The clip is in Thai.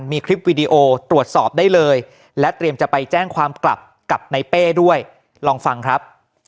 มีคลิปวีดีโอตรวจสอบได้เลยและเตรียมจะไปแจ้งความกลับกับในเป้ด้วยลองฟังครับ